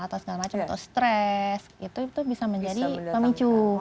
atau segala macam atau stres itu bisa menjadi pemicu